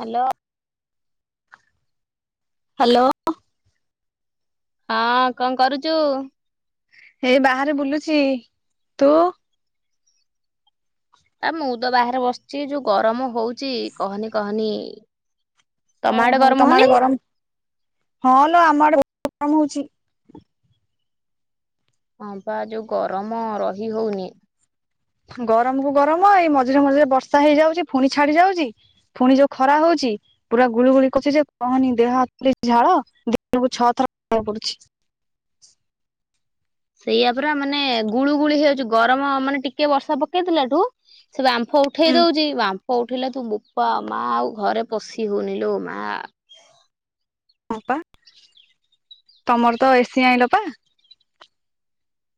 Hello. Hello. ଆ କଣ କରୁଚୁ? ଏଇ ବାହାରେ ବୁଲୁଚି। ତୁ ଆ ମୁଁ ତ ବାହାରେ ବସିଚି ଯୋଉ ଗରମ ହୋଉଚି କହନି କହନି। ତମ ଓହୋ ଗରମ ତମ ହଉନି? ଆଡେ ଗରମ ହଁ ଲୋ ଆମ ଆଡେ ବୋ ଗରମ ହୋଉଚି। ହଁ ପା ଯୋଉ ଗରମ ରହି ହୋଉନି। ଗରମ କୁ ଗରମ ଏଇ ମଝିରେ ମଝିରେ ବର୍ଷା ହେଇଯାଉଚି ପୁଣି ଛାଡି ଯାଉଚି ପୁଣି ଯୋଉ ଖରା ହୋଉ ଚି ପୁରା ଗୁଳି ଗୁଳି କରୁ ଯେ କହନି ଦେହ ହାତ ଖାଲି ଝାଳ ଦିନକୁ ଛଅ ଥର ପୋ [inaudible] ବାକୁ ପଡୁଚି। [inaudible] ସେଇଆ ପରା ମାନେ ଗୁଳୁ ଗୁଳି ହେଇଯାଉଚି ଗରମ ମାନେ ଟିକେ ବର୍ଷା ପକେଇ ଦେଲାଠୁ ସେ ବାମ୍ଫ ଉଠେଇ ହୁଁ ଦୋଉଚି ବା କୋଉଠି ହେଲା ତୁ ବୋପା ମା ଆଉ ଘରେ ପଶି ହୋଉନି ଲୋ ମା। ହଁ ପା ତମର ତ ଏସି ଆଇଁଲ ପା?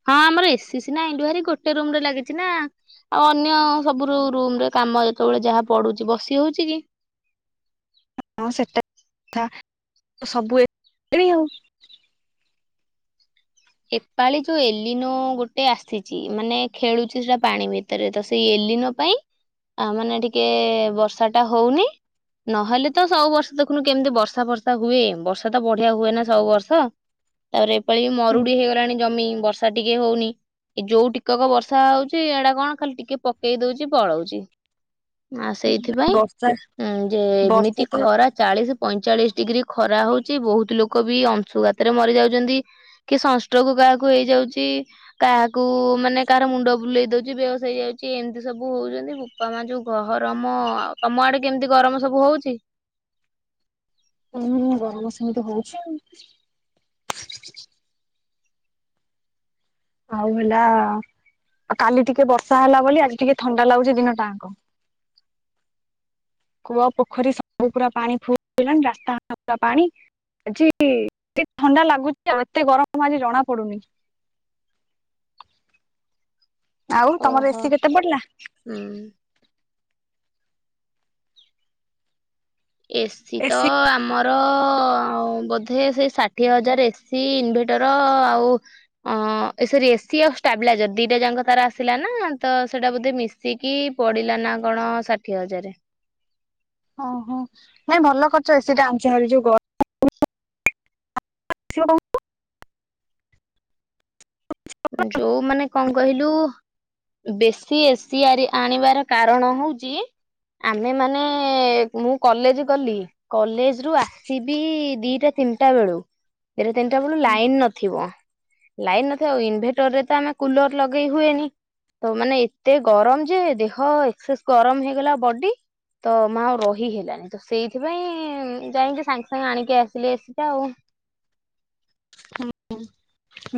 ହଁ ଆମର ଏସି ସିନା ଆଣିଲୁ ଭାରି ଗୋଟେ ରୁମରେ ଲାଗିଚି ନା। ଆଉ ଅନ୍ୟ ସବୁ ରୁମ୍ ରେ କାମ ଯେତେବେଳେ ଯାହା ପଡୁଚି ବସି ହୋଉଚି କି। [inaudible] ହଁ ସେଟା ସତ କଥା ସବୁ [inaudible] ଏପାଳି ଯୋଉ ଏଲିନୋ ଗୋଟେ ଆସିଚି ମାନେ ଖେଳୁଚି ସେଟା ପାଣି ଭିତରେ ତ ସେଇ ଏଲି ନୋ ପାଇଁ ଆ ମାନେ ଟିକେ ବର୍ଷା ଟା ହୋଉନି। ନହେଲେ ତ ସବୁ ବର୍ଷ ଦେଖୁନୁ କେମିତି ବର୍ଷା ଫର୍ଷା ହୁଏ। ବର୍ଷା ତ ବଢିଆ ହୁଏ ନା ସବୁ ବର୍ଷ। ତାପରେ ଏପାଳି ବି ମରୁଡି ହେଇଗଲାଣି ଜମି ବର୍ଷା ଟିକେ ହୋଉନି। ଯୋଉ ଟିକିକ ବର୍ଷା ହୋଉଚି ଏଇଟା କଣ ଖାଲି ଟିକେ ପକେଇ ଦୋଉଚି ପଳଉଚି। ଆ ସେଇଥିପାଇଁଁ ବର୍ଷା ଯେ ବର୍ଷା ଏମିତି ତ ଖରା ଚାଳିଶି ପଇଁଚାଳିଶି ଡିଗ୍ରୀ ଖରା ହୋଉଚି ବୋହୁତ ଲୋକ ବି ଅଂଶୁଘାତରେ ମରି ଯାଉଚନ୍ତି। କି ସଂସ୍ଟ ରୋଗ କାହାକୁ ହେଇଯାଉଚି କାହାକୁ ମାନେ କାହାର ମୁଣ୍ଡ ବୁଲେଇ ଦୋଉଚି ବେହସ ହେଇଯାଉଚି। କିଏ ଏମିତି ସବୁ ହୋଉଚନ୍ତି ବୁପା ମା ଯୋଉ ଗହରମ। ଆଉ ତମ ଆଡେ କେମିତି ଗରମ ସବୁ ହୋଉଚି। [inaudible] ଉଁ ଗରମ ସେମିତି ହଉଚି। ଆଉ ହେଲା ଆ କାଲି ଟିକେ ବର୍ଷା ହେଲା ବୋଲି ଆଜି ଟିକେ ଥଣ୍ଡା ଲାଗୁଚି ଦିନ ଟା ଆଙ୍କ। [inaudible] କୂଅ ପୋଖରୀ ସବୁ ପୁରା ପାଣି ଫୁଲାଣି ରାସ୍ତାଘାଟ ପୁରା ପାଣି। ଆଜି ଏତେ ଥଣ୍ଡା ଲାଗୁଚି ଆଉ ଏତେ ଗରମ ଆଜି ଜଣା ପଡ଼ୁନି। ଆଉ ତମର ଓହୋ। ଏସିି କେତେ ପଡ଼ିଲା। ହୁଁ। ଏସିି ତ ଏସି ଆମର ଆଉ ବୋଧେ ସେଇ ଷାଠିଏ ହଜାର ଏସି ଇନଭେଟର ଆଉ ଅ ଏ ସରି ଏ ଏସି ଆଉ ଷ୍ଟାବିଲାଇଜର ଦିଟା ଯାକ ତାର ଆସିଲା ନା ତ ସେଇଟା ବୋଧେ ମିଶିକି ପଡ଼ିଲାନ ନା କଣ ଷାଠିଏ ହଜାରେ। ଓହୋ ନାଇଁ ଭଲ କରିଚ ଏସି ଟା ଆଣିଚ ହରି ଯୋଉ ଗରମ [unintelligible] [unintelligible] ଯୋଉ ମାନେ କଣ କହିଲୁ। ବେଶି ଏସିଆରି ଆଣିବାର କାରଣ ହଉଚି ଆମେ ମାନେ ମୁଁ କଲେଜ ଗଲି କଲେଜ ରୁ ଆସିବି ଦିଟା ତିନିଟା ବେଳୁ, ଏବେ ତିନିଟା ବେଳୁ ଲାଇନ ନଥିବ। ଲାଇନ୍ ନଥିବ ଆଉଇନ୍ ଭେଟରରେ ତ ଆମେ କୁଲର ଲଗେଇ ହୁଏନି। ତ ମାନେ ଏତେ ଗରମ ଯେ ଦେହ ଏକ୍ସେସ ଗରମ ହେଇଗଲା ବଡି। ତ ମା ଆଉ ରହି ହେଲାନି ତ ସେଇଥିପାଇଁ ଯାଇକି ସାଙ୍ଗେ ସାଙ୍ଗେ ଆଣିକି ଆସିଲି ଏସିଟା ଆଉ [inaudible]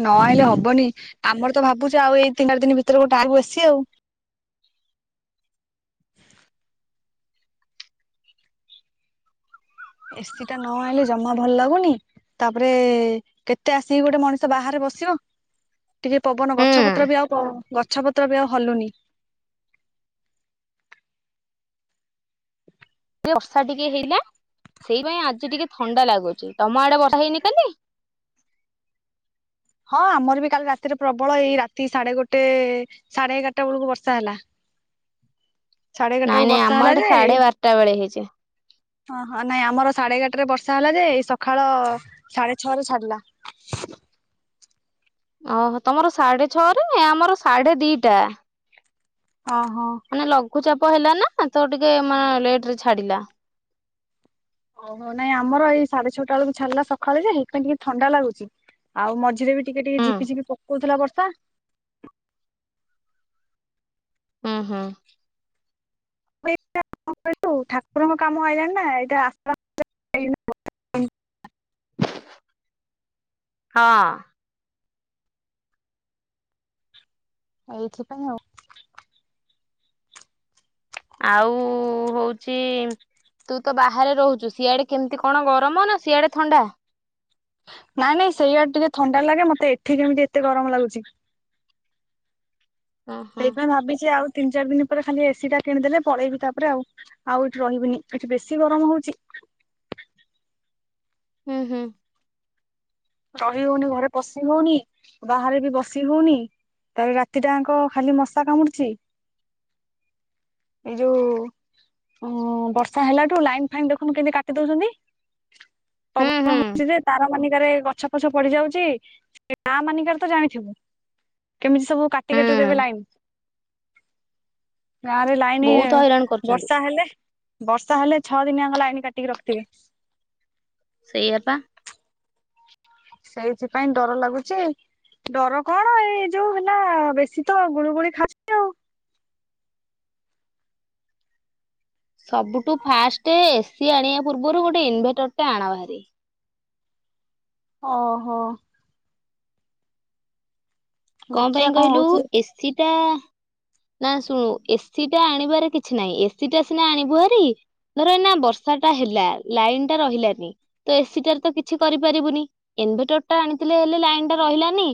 ନ ଆଇଲେ ହବନି। ଆମର ତ ଭାବୁଚୁ ଆଉ ଏଇ ତିନି ଚାରି ଦିନି ଭିତରେ ଗୋଟେ ଆଣିବୁ ଏସି। ଏସିି ଟା ନ ଆଣିଲେ ଜମା ଭଲ ଲାଗୁନି। ତାପରେ କେତେ ଆସିକି ଗୋଟେ ମଣିଷ ବାହାରେ ବସିବ? ଟିକେ ପବନ ଗଛ ପତ୍ର ହୁଁ ବି ଆଉ ପ ଗଛପତ୍ର ବି ଆଉ ହଲୁନି। ବର୍ଷା ଟିକେ ହେଲେ ସେଇ ବା ଆଜି ଟିକେ ଥଣ୍ଡା ଲାଗୁଚି ତମ ଆଡେ ବର୍ଷାହେଇନି କାଲି? [inaudible] ହଁ ଆମର ବି କାଲି ରାତିରେ ପ୍ରବଳ ଏଇ ରାତି ସାଢେ ଗୋଟେ ସାଢେ ଏଗାରଟା ବେଳକୁ ବର୍ଷା ହେଲା। ସାଢେ ଏଗାରଟା ନାଇଁ ବେଳକୁ ନାଇଁ ବର୍ଷା ଆମ ହେଲା ଆଡେ ଯେ ସାଢ଼େ ବାରଟା ବେଳେ ହେଇଚି। ହଁ ହଁ ନାଇଁ ଆମର ସାଢେ ଏଗାରଟାରେ ବର୍ଷା ହେଲା ଯେ ସକାଳ ସାଢେ ଛଅ ରେ ସରଲା। [inaudible] ଓହୋ ତମର ସାଢେ ଛଅରେ ଆମର ସାଢେ ଦିଟା ଓହୋ। ମାନେ ଲଘୁଚାପ ହେଲା ନା ତ ଟିକେ ମା ଲେଟ ରେ ଛାଡିଲା। ଓ ହୋ ନାଇଁ ଆମର ଏଇ ସାଢେ ଛଅଟା ବେଳକୁ ଛାଡିଲା ସକାଳେ ଯେ ହାଲକା ଟିକେ ଥଣ୍ଡା ଲାଗୁଛି। ଆଉ ମଝିରେ ବି ଟିକେ ଟିକେ ହୁଁ ଝିପି ଝିପି ପକଉଥିଲା ବର୍ଷା। ଅ ହଁ। [unintelligible] ଠାକୁରଙ୍କ କାମ ଆଇଲାଣିି ନା ଏଇଟା ଆସ୍ତ ଆସ୍ତେ [unintelligible] ହଁ। ଏଇଥିପାଇଁ ଆଉ। ଆଉ ହଉଚି ତୁ ତ ବାହାରେ ରହୁଚୁ ସିଆଡେ କେମିତି କଣ ଗରମ ନା ସିଆଡେ ଥଣ୍ଡା? ନାଇଁ ନାଇଁ ସେଇଆଡେ ଟିକେ ଥଣ୍ଡା ଲାଗେ ମତେ ଏଠି କେମିତି ଏତେ ଗରମ ଲାଗୁଚି। ଓହୋ ସେଇ ପାଇଁ ଭାବିଚି ଆଉ ତିନି ଚାରି ଦିନ ପରେ ଖାଲି ଏସି ଟା କିଣିଦେଲେ ପଳେଇବି ତାପରେ ଆଉ ଆଉ ଏଠି ରହିବିନି ଏଠି ବେଶୀ ଗରମ ହଉଚି। [inaudible] ହୁଁ ହୁଁ। ରହି ହଉନି ଘରେ ପଶି ହଉନି ବାହାରେ ବି ବସି ହଉନି। ତାାର ରାତିଟାଙ୍କ ଖାଲି ମଶା କାମୁଡୁଛି [unintelligible] ଏ ଯୋଭ ଓ ବର୍ଷା ହେଲାଠୁ ଲାଇନ୍ ଫାଇନ୍ ଦେଖନ୍ତୁ କେମିତି କାଟି ଦଉଛନ୍ତି ହୁଁ ପବ ହୁଁ ହଉଛି ଯେ ତାର ମାନିକାରେ ଗ ପଛ ପଛ ପଡି ଯାଉଛି ଗା ମାନଙ୍କରେ ତ ଜାଣିଥିବୁ କେମିତି ସବୁ କାଟି କାଟି ଦେବେ ହୁଁ ଲାଇନ ଗାଁ ରେ ଲାଇନ ବହୁତ ହଇରାଣ କରୁଛନ୍ତି। ବର୍ଷା ହେଲେ ବର୍ଷା ହେଲେ ଛଅ ଦିନିଆ ଙ୍କ ଲାଇନ କାଟିକି ରଖିଥିବେ। ସେଇଆପା। ସେଇଥିପାଇଁ ଡର ଲାଗୁଛି। ଡର କଣ ଏଇ ଯୋଉ ହେଲା ବେଶୀ ତ ଗୁଳୁ ଗୁଳି ଖାଉଛି ଆଉ ସବୁଠୁ ଫାଷ୍ଟ ଏସି ଆଣିବା ପୂର୍ବରୁ ଗୋଟେ ଇନଭେଟର ଟେ ଆଣ ଭାରି ଓ ହୋ। କଣ ଦେଖିବା ପାଇଁ କହିଲୁ ହଉଛି ଏସିଟା? ନା ଶୁଣୁ ଏସିି ଟା ଆଣିବାର କିଛି ନାହିଁ ଏସି ଟା ସିନା ଆଣିବୁ ଭରି ଧର ନା ବର୍ଷା ଟା ହେଲା ଲାଇନ ଟା ରହିଲାନି ତ ଏସି ଟାରେ ତ କିଛି କରିପାରିବୁନି ଇନ୍‌ଭେଟର ଟା ଆଣିଥିଲେ ହେଲେ ଲାଇନ ଟା ରହିଲାନି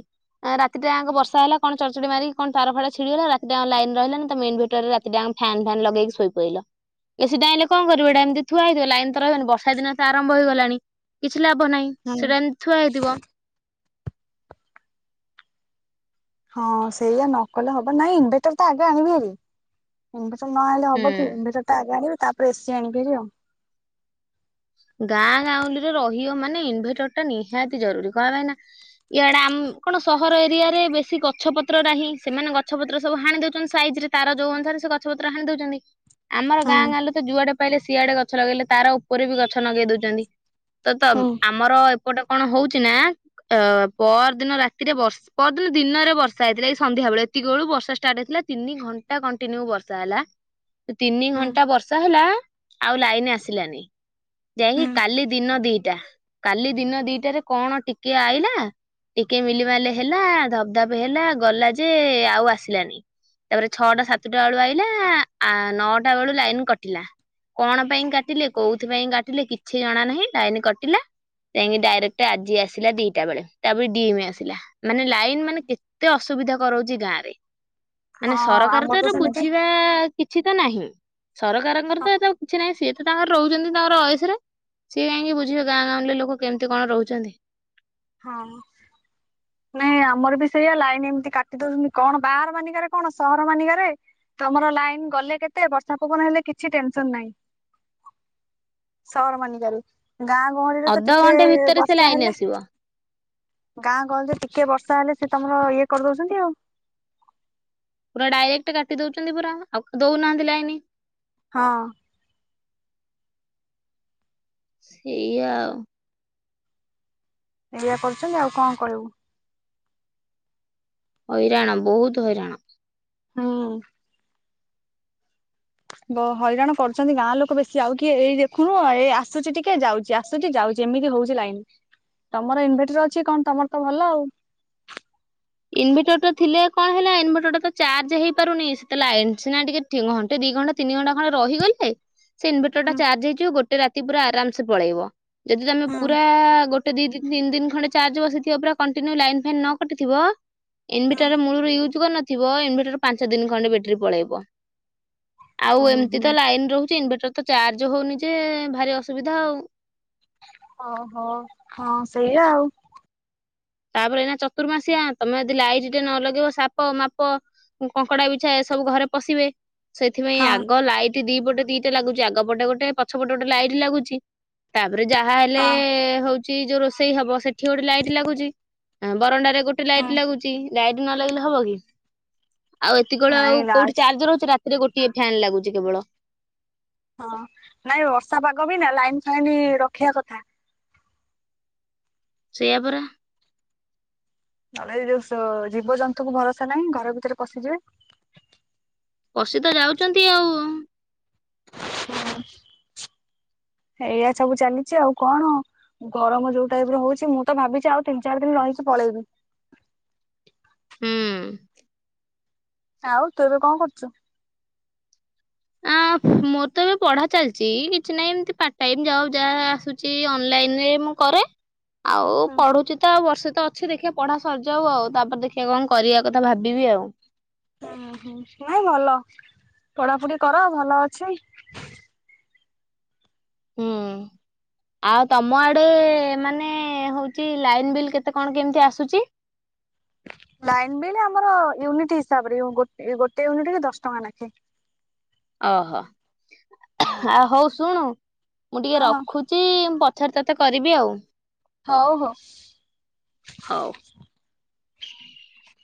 ରାତିରୋଙ୍କ ବର୍ଷା ହେ କଣ ଚଢଚଢଡି ମାରି କଣ ତାର ଫଡା ଛିଡିଗଲା ଲାଇନ ରହିଲା ନା ତମ ଇନଭର୍ଟରରେ ରାତି ଫ୍ୟାନ୍ ଫନ୍ ଲଗେଇ ଶୋଇ ପଇଲ? ଏସିଟା ଆଇଁଲେ କଣ କରିବ ଏଟା ଏମିତି ଥୁଆଇଥିବ ଲାଇନ ତ ରହିବନି ବର୍ଷା ଦିନ ଆରଭ ହେଇଗଲାଣି କିଛି କିଛି ଲାଭ ନାହିଁ ହୁଁ ସେଟା ଏମିତି ଥୁଆ ହୋଇଥିବ। ହଁ ସେଇଆ ନ କଲେ ହବ ନାଇଁ ଇନଭଟର ତ ଆଗେ ଆଣିବି। ନହେଲେ ହବ କି ହୁଁ। ଇନ୍‌ଭଟର ଆଗେ ଆଣିବ ତାପରେ ଏସି ଆଣିବିରି ଆଉ? ଗାଁ ଗାଉଁଳିରେ ରହିବ ମାନେ ଇନଭେଟର ଟା ନିହାତି ଜରୁରୀ କଣ ପାଇଁନା ଇଆଡା ଆମ କଣ ସହର ଏରିଆ ରେ ବେଶୀ ଗଛ ପତ୍ର ନାହିଁ ସେମାନେ ଗଛପତ୍ର ସବୁ ହାଣି ଦଉଛନ୍ତି ସାଇ ତାର ଯୋଉ ଅନୁସାରେ ସେ ଗଛପତ୍ର ହାଣି ଦଉଛନ୍ତି। ଆମର ହୁଁ ଗାଁ ଗାଁରେ ତ ଯୁଆଡେ ପାଇଲେ ସିଆଡେ ଗଛ ଲଗେଇଲେ ତାର ଉପରେ ବି ଗଛ ଲଗେଇ ଦଉଛନ୍ତି। ତ ତ ହୁଁ। ଆମର ଗଟେ କଣ ହଉଛି ନା ଅ ପରଦିନ ରାତିରେ ବର୍ଷା ପରଦିନ ଦିନରେ ବର୍ଷା ହେଇଥିଲା ଏଇ ସନ୍ଧ୍ୟା ସେବେଳେ ଏତିକି ବଳୁ ବର୍ଷା ଷ୍ଟାର୍ଟ ହେଥିଲା ତିନି ଘଣ୍ଟା କଣ୍ଟିନ୍ୟୁ ବର୍ଷା ହେଲା। ତିନି ହୁଁ। ଘଣ୍ଟା ବର୍ଷା ହେଲା ଆଉ ଲାଇନ ଆସିଲାନି? ଯାଇକି ହୁଁ କାଲି ଦିନ ଦିଟା କାଲି ଦିନ ଦିଟାରେ କଣ ଟିକେ ଆଇଲା ଟିକେ ମିଲିମାଲି ହେଲା ଧବ ଧପ ହେଲା ଗଲା ଯେ ଆଉ ଆସିଲାନି। ତାପରେ ଛଅଟା ସାତଟା ବେଳୁ ଆଇଲା ଆ ନଅଟା ବେଳୁ ଲାଇନ କଟିଲା। କଣ ପାଇଁ କାଟିଲେ କୋଉଥି ପାଇଁ କାଟିଲେ କିଛି ଜଣା ନାହିଁ ନାଇନି କାଟିଲା? ଯାଇକି ଡାଇରେକ୍ଟ ଆଜି ଆସିଲା ଦିଟା ବେଳେ ତାପରେ ଡିମ ଆସିଲା ମାନେ ଲାଇନ୍ ମାନେ କେତେ ଅସୁବିଧା ସୁବିଧା କରାଉଛି ଗାଁରେ ମାନେ ହଁ ସରକାର ଆମର ତ ଏ ସେମିତି ବୁଝିବା କିଛି ତ ନାହିଁ? ସରକାରଙ୍କର ତ ଏ କିଛି ନାହିଁ ସିଏ ତ ତାଙ୍କର ରହୁଛନ୍ତି ତାଙ୍କର ସିଏ କାହିଁକି ବୁଝିବେ ଗାଁ ଗାଁରେ ଲୋକ କେମିତି କଣ ରହୁଛନ୍ତି? ହଁ। ନାଇଁ ଆମର ବି ସେଇଆ ଲାଇନ ଏମିତି କାଟି ଦଉଛନ୍ତି କଣ ବାହାର ମାନିକାରେ କଣ ସହର ମାନିକାରେ ତମର ଲାଇନ ଗଲେ କେତେ ବର୍ଷା ପବନ ହେଲେ କିଛି ଟେନସନ ନାହିଁ। ସହର ମାଲିକାରୁ ଗାଁ ଗହଳିରେ ତ ଟିକେ ଅଧଘଣ୍ଟେ ଭିତରେ ସେ ବର୍ଷା ଲାଇନ ହେଲେ ଆସିବ ଗାଁ ଗହଲରେ ଟିକେ ବର୍ଷା ହେଲେ ସେ ତମର ଇଏ କରିଦଉଛନ୍ତି ଆଉ, ପୁରା ଡାଇରେକ୍ଟ କାଟି ଦଉଛନ୍ତି ପୁରା ଆଉ ଦଉନାହାନ୍ତି ଲାଇନ? ହଁ। ସେଇଆ ଆଉ। ଏଇଆ କରୁଛନ୍ତି ଆଉ କଣ କହିବୁ? ହଇରାଣ ବହୁତ ହଇରାଣ। ହୁଁ। ବ ହଇରାଣ କରୁଛନ୍ତି ଗାଁ ଲୋକ ବେଶୀ ଆଉ କିଏ ଏଇ ଦେଖୁନୁ ଏଇ ଆସୁଛି ଟିକେ ଯାଉଛି ଆସୁଛି ଯାଉ ଏମିତି ହଉଛି ଲାଇନ ତମର ଇନଭେଟର ଅଛି କଣ ତମର ତ ଭଲ ଆଉ? ଇନଭେଟର ଟା ଥିଲେ କଣ ହେଲା ଇନଭର୍ଟର ଟା ତ ଚାର୍ଜ ହେଇପାରୁନି ସେତେ ଲାଇନ୍ଟା ଘଣ୍ଟେ ଦୁଇଘଣ୍ଟେ ଦି ଘଣ୍ଟା ତିନି ଘଣ୍ଟା ଖଣ୍ଡେ ରହିଗଲେ ସେ ଇନଭଟର ଟା ହୁଁ ଚାର୍ଜ ହେଇଯିବ ଗୋଟେ ରାତି ପୁରା ଆରାମ ସେ ପଳେଇବ ଯଦି ତମେ ହୁଁ ପୁରା ଗୋଟେ ଦୁଇ, ତିନି, ଦିନ ଖଣ୍ଡେଚାର୍ଜ ବସେଇଥିବ ପୁରା କଣ୍ଟିନିଉ ଲାଇନ୍ ଫାଇନ୍ ନ କଟିଥିବ ହୁଁ। ଇନଭେଟର ମୂଳରୁ ୟୁଜ୍ କରିନଥିବ ଇନଭେଟର ପାଞ୍ଚ ଦିନ ଖଣ୍ଡେ ବ୍ୟାଟେରୀ ପଳେଇବ। ଆଉ ହୁଁ ଏମିତି ହୁଁ ତ ଲାଇନ ରହୁଛି ଇନଭଟର ତ ଚାର୍ଜ ହଉନି ଯେ ଭାରି ଅସୁବିଧା ଆଉ? ଓହୋ ହଁ ସେଇଆ ଆଉ। ତାପରେ ଏଇନା ଚତୁର୍ମାସିଆ ତମେ ଯଦି ଲାଇଟ୍ ଟେ ନ ଲଗେଇବ ସାପ ମାପ କଙ୍କଡା ବିଛା ଏ ସବୁ ଘରେ ପଶିବେ ସେଥିପାଇଁ ହଁ ଆଗ ଲାଇଟ୍ ଦି ପଟେ ଦିଟା ଲାଗୁଛି ଆଗପଟେ ଗୋଟେ ପଛପଟେ ଗୋଟେ ଲାଇଟ୍ ଲାଗୁଛି ତା ତାପରେ ଯାହା ହେଲେ ହଁ ହଉଛି ଯୋଉ ରୋଷେଇ ହବ ସେଠି ଗୋଟେ ଲାଇଟ ଲାଗୁଛି ବରଣ୍ଡାରେ। ଗୋଟେ ହୁଁ। ଲାଇଟ ଲାଗୁଛି, ଲାଇଟ ନ ଲାଗିଲେ ହବ କି? ଆଉ ଏତିକଳେ ଆଉ ନାଇଁ ରାଜ କୋଉଠି ଚାର୍ଜର ହଉଛି ରାତି। ରେ ଗୋଟିଏ ଫ୍ୟନ୍ ଲାଗୁଛି କେବଳ। ହଁ ନାଇଁ ବର୍ଷା ପାଗ ବି ନା ଲାଇନ ଫାଇନ୍ ରଖିବା କଥା। ସେଆ ପରା। ନହେଲେ ଏ ଯୋଉ ଜୀବଜନ୍ତୁ କୁ ଭରସା ନାହିଁ ଘର ଭିତରେ ପଶିଯିବେ। ପସି ତ ଯାଉଛନ୍ତି ଆଉ। [inaudible] ଏଇଆ ସବୁ ଚାଲିଛି ଆଉ କଣ? ଗରମ ଯୋଉ ଟାଇପ ର ହଉଛି ମୁଁ ତ ଭାବିଛି ଆଉ ତିନି ଚାରି ଦିନ ରହିକି ପଳେଇବି। ହୁଁ। ଆଉ ତୁ ଏବେ କଣ କରୁଛୁ? ଆ ମୋର ତ ଏବେ ପଢା ଚାଲିଛି, କିଛି ନାହିଁ ଏମତି ପାର୍ଟ ଟାଇମ ଯା ଯାହା ଆସୁଛି ଅନଲାଇନ ମୁଁ କରେ ଆଉ ହୁଁ ପଢୁଛି ତ ଆଉ ବର୍ଷେ ତ ଅଛି ଦେଖିବା ପଢା ସରିଯାଉ, ଆଉ ତାପରେ ଦେଖିବା କଣ କରିବା କଥା ଭାବିବି ଆଉ? ହୁଁ ହୁଁ ନାଇଁ ଭଲ ପଢାପଢି କର ଭଲ ଅଛି। ହୁଁ। ଆଉ ତମ ଆଡେ ମାନେ ହଉଛି ଲାଇନ ବିଲ୍ କେତେ କଣ କେମିତି ଆସୁଛି? [inaudible] ଲାଇନ ବିଲ୍ ଆମର ୟୁନିଟ ହିସାବରେ ଗୋଟେ ୟୁନିଟ କି ଦଶ ଟଙ୍କା ନାଖେ। ଓହୋ ଆ ହଉ ଶୁଣୁ ମୁଁ ଟିକେ ହଁ ରଖୁଛି। ପଛରେ ତତେ କରିବି ଆଉ। ହଉ ହଉ। ହଉ। [inaudible]